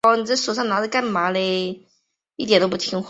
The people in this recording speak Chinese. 其冢在谯县。